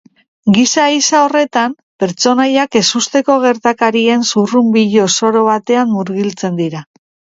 Giza ehiza horretan, pertsonaiak ezusteko gertakarien zurrunbilo zoro batean murgiltzen dira.